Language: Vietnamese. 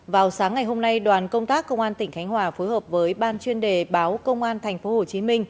vào sáng ngày hôm nay đoàn công tác công an tỉnh khánh hòa phối hợp với ban chuyên đề báo công an tp hcm